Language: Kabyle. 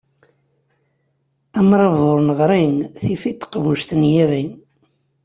Amṛabeḍ ur neɣri, tif-it teqbuct n yiɣi.